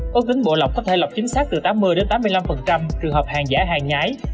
có tính bộ lọc có thể lọc chính xác từ tám mươi tám mươi năm trường hợp hàng giả hàng nhái